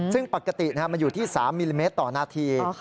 ซึ่งปกติมันอยู่ที่๓มิลลิเมตรต่อนาที